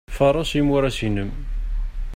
Faṛes imuras-inem.